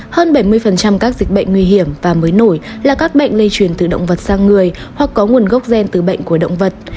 hơn bảy mươi các dịch bệnh nguy hiểm và mới nổi là các bệnh lây truyền từ động vật sang người hoặc có nguồn gốc gen từ bệnh của động vật